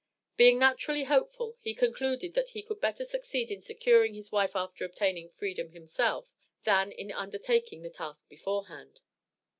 Being naturally hopeful, he concluded that he could better succeed in securing his wife after obtaining freedom himself, than in undertaking the task beforehand.